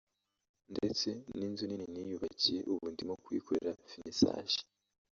ndetse n’inzu nini niyubakiye ubu ndimo kuyikorera finisaje